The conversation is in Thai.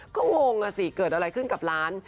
ก็งงอ่ะสิเกิดอะไรขึ้นกับร้าน